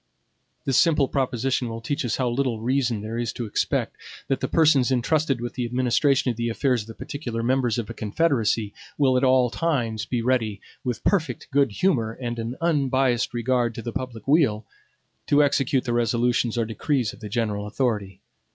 This simple proposition will teach us how little reason there is to expect, that the persons intrusted with the administration of the affairs of the particular members of a confederacy will at all times be ready, with perfect good humor, and an unbiased regard to the public weal, to execute the resolutions or decrees of the general authority.